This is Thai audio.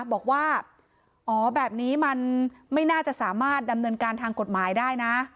บอกว่าอ๋อแบบนี้มันไม่น่าจะสามารถดำเนินการทางกฎหมายได้นะ